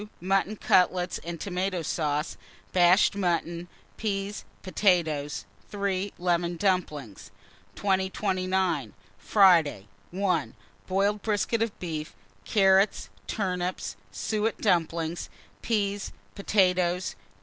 Mutton cutlets and tomato sauce, bashed mutton, peas, potatoes. 3. Lemon dumplings. 2029. Friday. 1. Boiled brisket of beef, carrots, turnips, suet dumplings, peas, potatoes.